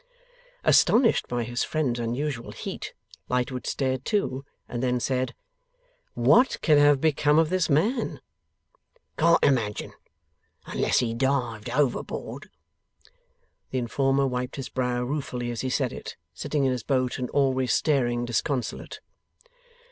Astonished by his friend's unusual heat, Lightwood stared too, and then said: 'What can have become of this man?' 'Can't imagine. Unless he dived overboard.' The informer wiped his brow ruefully as he said it, sitting in his boat and always staring disconsolate.